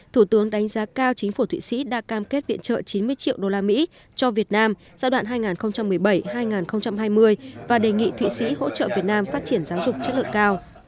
thủ tướng đánh giá cao chính phủ thụy sĩ đã cam kết viện trợ chín mươi triệu đô la mỹ cho việt nam giai đoạn hai nghìn một mươi bảy hai nghìn hai mươi và đề nghị thụy sĩ hỗ trợ việt nam phát triển giáo dục chất lượng cao